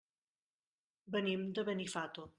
Venim de Benifato.